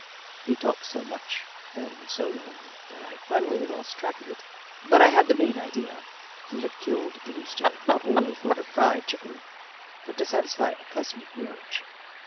He talked so much and so long that I finally lost track of it, but I had the main idea. He had killed the Rooster not only for the fried Chicken, but to satisfy a personal grudge.